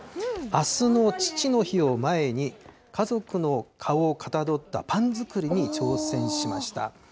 あすの父の日を前に、家族の顔をかたどったパン作りに挑戦しました。